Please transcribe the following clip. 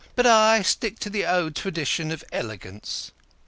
But I stick to the old tradition of elegance."